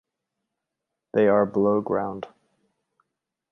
They are below ground.